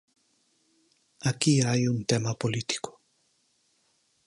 Aquí hai un tema político.